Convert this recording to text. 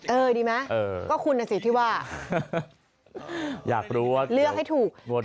เออดีไหมก็คุณน่ะสิที่ว่าเลือกให้ถูกอยากรู้ว่า